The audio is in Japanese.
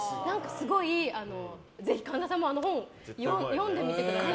ぜひ神田さんも本読んでみてください。